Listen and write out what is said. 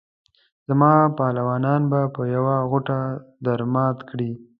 زما پهلوانان به په یوه غوټه درمات کړي.